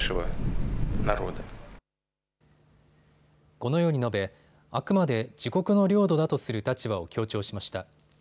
このように述べ、あくまで自国の領土だとする立場を強調しました。